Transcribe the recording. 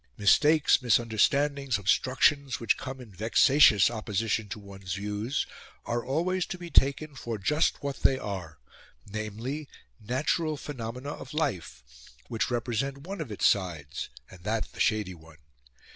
Mistakes, misunderstandings, obstructions, which come in vexatious opposition to one's views, are always to be taken for just what they are namely, natural phenomena of life, which represent one of its sides, and that the shady one.